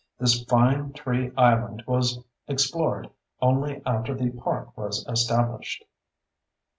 This fine tree island was explored only after the park was established.